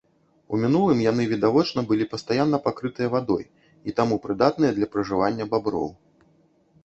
У мінулым яны, відавочна, былі пастаянна пакрытыя вадой і таму прыдатныя для пражывання баброў.